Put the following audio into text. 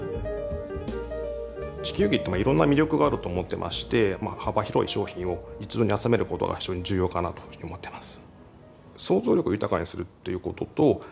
地球儀っていろんな魅力があると思ってまして幅広い商品を一堂に集めることが非常に重要かなというふうに思ってます。